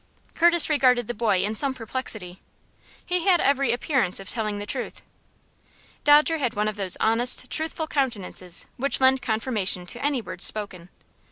Curtis regarded the boy in some perplexity. He had every appearance of telling the truth. Dodger had one of those honest, truthful countenances which lend confirmation to any words spoken.